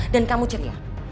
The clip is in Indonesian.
dan kamu ceria